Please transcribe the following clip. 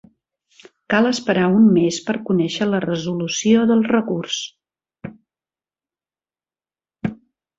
Cal esperar un mes per conèixer la resolució del recurs.